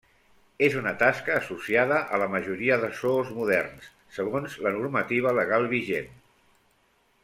És una tasca associada a la majoria de zoos moderns, segons la normativa legal vigent.